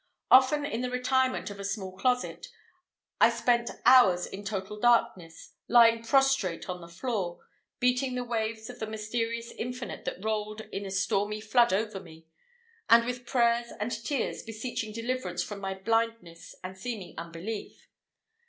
Often, in the retirement of a small closet, I spent hours in total darkness, lying prostrate on the floor, beating the waves of the mysterious Infinite that rolled in a stormy flood over me, and with prayers and tears beseeching deliverance from my blindness and seeming unbelief.